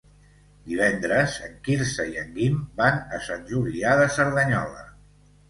Divendres en Quirze i en Guim van a Sant Julià de Cerdanyola.